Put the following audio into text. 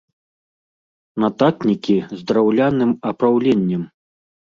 Нататнікі з драўляным апраўленнем.